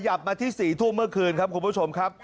มาที่๔ทุ่มเมื่อคืนครับคุณผู้ชมครับ